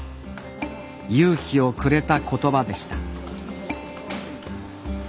勇気をくれた言葉でした。